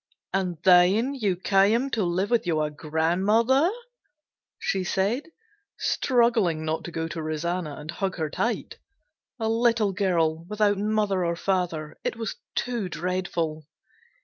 "And then you came to live with your grandmother?" she said, struggling not to go to Rosanna and hug her tight. A little girl without mother or father! It was too dreadful.